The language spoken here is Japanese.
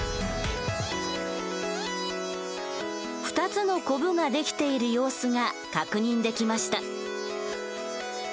２つのこぶが出来ている様子が確認できました。